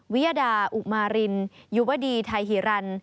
วิยดาอุมารินยุวดีไทยฮิรัน